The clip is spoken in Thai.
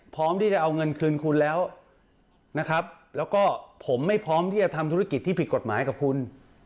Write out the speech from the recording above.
ที่จะเอาเงินคืนคุณแล้วนะครับแล้วก็ผมไม่พร้อมที่จะทำธุรกิจที่ผิดกฎหมายกับคุณ